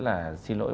rất là xin lỗi